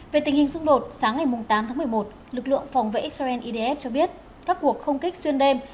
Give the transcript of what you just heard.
về tình hình xung đột sáng ngày tám tháng một mươi một lực lượng phòng vệ israel idf cho biết các cuộc không kích xuyên đêm